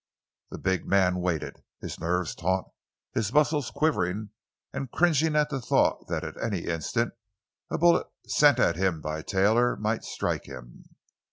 The big man waited, his nerves taut, his muscles quivering and cringing at the thought that any instant a bullet sent at him by Taylor might strike him.